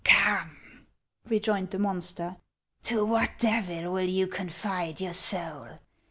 " Come !" rejoined the monster, "to what devil will you confide your soul